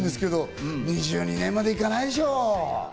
２２年までいかないでしょう。